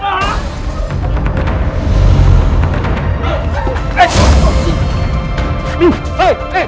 udah udah nih